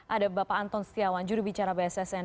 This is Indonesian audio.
ada bapak anton setiawan juru bicara bssn